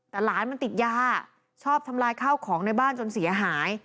แต่หลานมันติดยาชอบทำลายข้าวของในบ้านจนเสียหาย